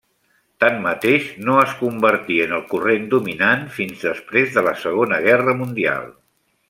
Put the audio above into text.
Tanmateix, no es convertí en el corrent dominant fins després de la Segona Guerra Mundial.